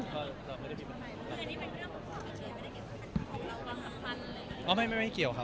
ครับก็ไม่ได้มีปัญหา